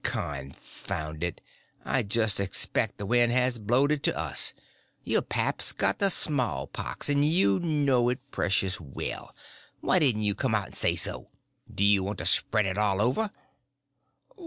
Confound it, I just expect the wind has blowed it to us. Your pap's got the small pox, and you know it precious well. Why didn't you come out and say so? Do you want to spread it all over?"